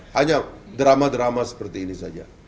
hanya drama drama seperti ini saja